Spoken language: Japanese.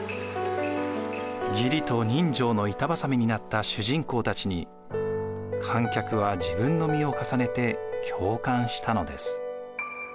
義理と人情の板挟みになった主人公たちに観客は自分の身を重ねて共感したのです。